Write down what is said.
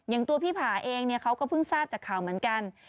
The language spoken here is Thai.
อย่างตัวพี่ผ่าเองเขาก็เพิ่งทราบจากข่าวเหมือนกัน